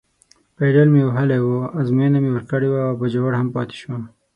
پایډل مې وهلی و، ازموینه مې ورکړې وه او باجوړ هم پاتې شو.